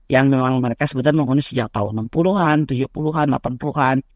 yang memang mereka sebetulnya menghuni sejak tahun enam puluh an tujuh puluh an delapan puluh an